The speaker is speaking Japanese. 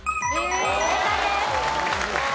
正解です。